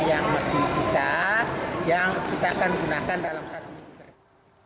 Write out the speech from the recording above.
yang masih sisa yang kita akan gunakan dalam satu minggu terakhir